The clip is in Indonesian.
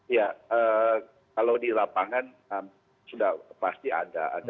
ya kalau di lapangan sudah pasti ada